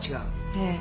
ええ。